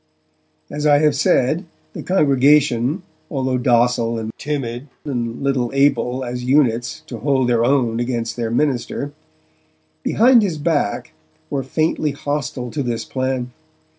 As I have said, the congregation, although docile and timid, and little able, as units, to hold their own against their minister behind his back were faintly hostile to this plan.